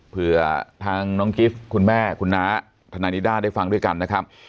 เพื่อทางน้องกิฟต์คุณแม่คุณน้าทนายนิด้าได้ฟังด้วยกันนะครับ